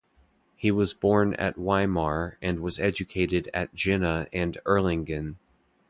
He was born at Weimar, and was educated at Jena and Erlangen.